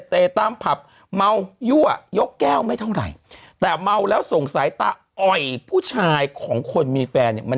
นี่นี่นี่นี่นี่นี่นี่นี่นี่นี่นี่นี่นี่นี่นี่